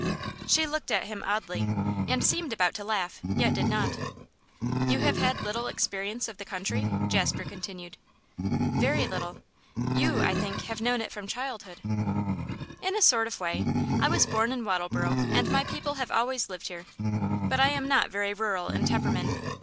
She looked at him oddly, and seemed about to laugh, yet did not. 'You have had little experience of the country?' Jasper continued. 'Very little. You, I think, have known it from childhood?' 'In a sort of way. I was born in Wattleborough, and my people have always lived here. But I am not very rural in temperament.